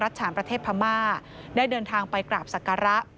ฉานประเทศพม่าได้เดินทางไปกราบศักระ